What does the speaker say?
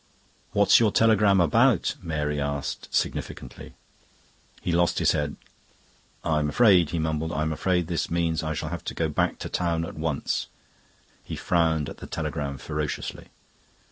"What's your telegram about?" Mary asked significantly. He lost his head, "I'm afraid," he mumbled, "I'm afraid this means I shall have to go back to town at once." He frowned at the telegram ferociously.